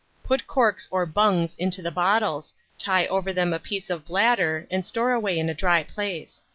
Put corks or bungs into the bottles, tie over them a piece of bladder, and store away in a dry place.